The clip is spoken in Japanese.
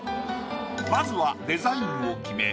まずはデザインを決め